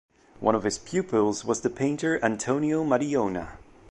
One of his pupils was the painter Antonio Madiona.